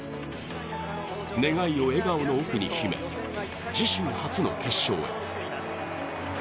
願いを笑顔の奥に秘め自身初の決勝へ。